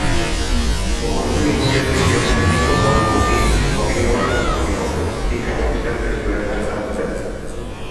ভবনগুলির মধ্যে রয়েছে বাণিজ্যিক ভবন, অফিস, শপিং মল এবং শপিং কমপ্লেক্স, শিক্ষা প্রতিষ্ঠান, রেস্টুরেন্ট, হাসপাতাল ইত্যাদি।